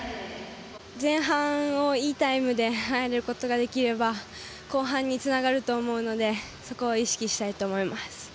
前半をいいタイムで入ることがでれきば後半につながると思うのでそこを意識したいと思います。